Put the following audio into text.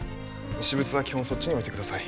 私物は基本そっちに置いてください